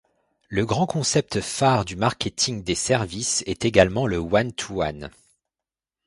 Le grand concept phare du marketing des services est également le one to one.